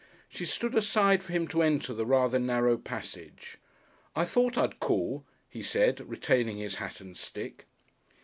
She stood aside for him to enter the rather narrow passage. "I thought I'd call," he said, retaining his hat and stick.